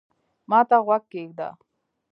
ما ته غوږ کېږده